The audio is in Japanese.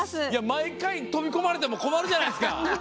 毎回、飛び込まれても困るじゃないですか。